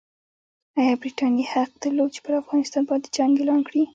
ایا برټانیې حق درلود چې پر افغانستان باندې جنګ اعلان کړي؟